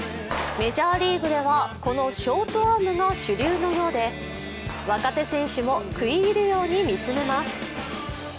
メジャーリーグではこのショートアームが主流のようで若手選手も食い入るように見つめます。